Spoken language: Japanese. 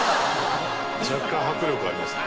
若干迫力ありますね。